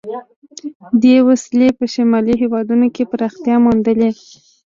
دې وسیلې په شمالي هېوادونو کې پراختیا موندلې.